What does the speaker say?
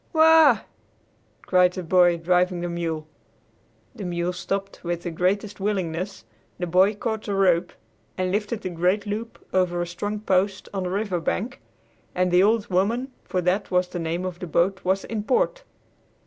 "Whoa!" cried the boy driving the mule. The mule stopped with the greatest willingness, the boy caught the rope and lifted the great loop over a strong post on the river bank, and the "Old Woman" for that was the name of the boat was in port.